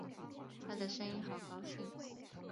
她的声音好高兴